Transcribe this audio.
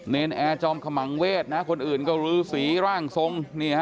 นแอร์จอมขมังเวทนะคนอื่นก็รือสีร่างทรง